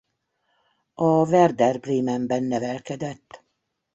A Werder Bremen-ben nevelkedett.